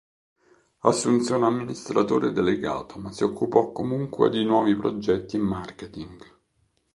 Assunse un amministratore delegato ma si occupò comunque di nuovi progetti e marketing.